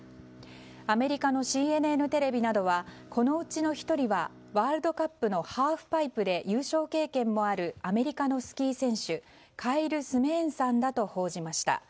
アメリカのＣＮＮテレビなどはこのうちの１人はワールドカップのハーフパイプで優勝経験もあるアメリカのスキー選手カイル・スメーンさんだと報じました。